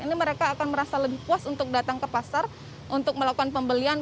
ini mereka akan merasa lebih puas untuk datang ke pasar untuk melakukan pembelian